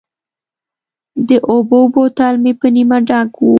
د اوبو بوتل مې په نیمه ډک و.